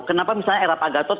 kenapa misalnya era pak gatot